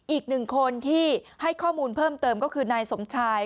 อีกหนึ่งคนที่ให้ข้อมูลเพิ่มเติมก็คือนายสมชาย